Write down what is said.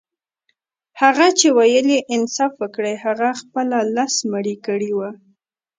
هغه چي ويل يې انصاف وکړئ هغه خپله لس مړي کړي وه.